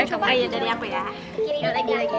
eh coba aja dari aku ya